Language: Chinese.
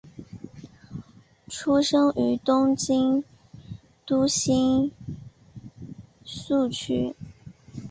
出身于东京都新宿区。